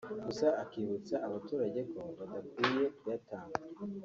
gusa akibutsa abaturage ko badakwiye kuyatanga